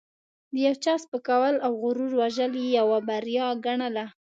د یو چا سپکول او غرور وژل یې یوه بریا ګڼله.